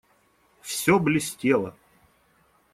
Всё блестело.